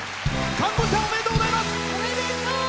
看護師さんおめでとうございます。